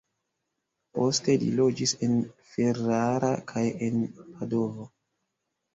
Poste li loĝis en Ferrara kaj en Padovo.